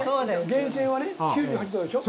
源泉はね９８℃でしょ？